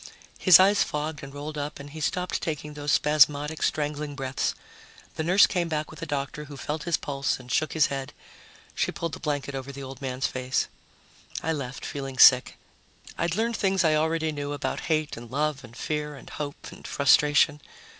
His eyes fogged and rolled up and he stopped taking those spasmodic strangling breaths. The nurse came back with the doctor, who felt his pulse and shook his head. She pulled the blanket over the old man's face. I left, feeling sick. I'd learned things I already knew about hate and love and fear and hope and frustration.